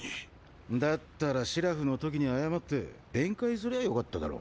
だったらシラフの時に謝って弁解すりゃよかっただろ？